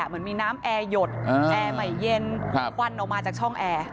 เหมือนมีน้ำแอร์หยดแอร์ใหม่เย็นควันออกมาจากช่องแอร์